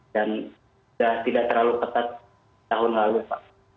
dan sudah tidak terlalu ketat tahun lalu pak